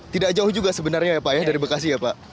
tidak jauh juga sebenarnya ya pak ya dari bekasi ya pak